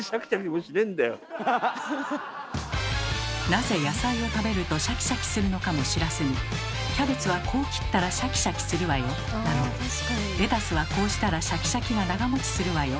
なぜ野菜を食べるとシャキシャキするのかも知らずに「キャベツはこう切ったらシャキシャキするわよ」だの「レタスはこうしたらシャキシャキが長もちするわよ」